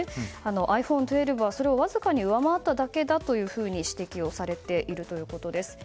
ｉＰｈｏｎｅ１２はそれをわずかに上回っただけだと指摘をされているということです。